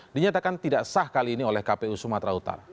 dinyatakan tidak sah kali ini oleh kpu sumatera utara